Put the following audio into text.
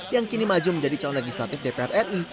yang kini maju menjadi calon legislatif dpr ri